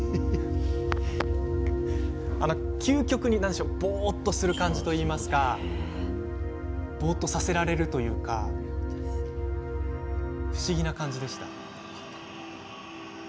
究極にぼうっとする感じといいますかさせられるというか不思議な感じでした。